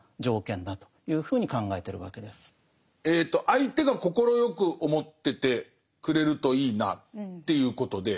相手が快く思っててくれるといいなっていうことで。